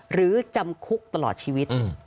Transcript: หรือจำคุกตลอดชีวิต